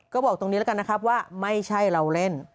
ก็บอกตรงนี้แล้วกันนะครับว่าไม่ใช่เราเล่น